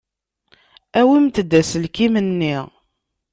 Awimt-d aselkim-nni.